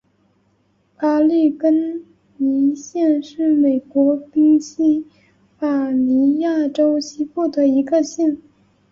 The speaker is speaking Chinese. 阿利根尼县是美国宾夕法尼亚州西部的一个县。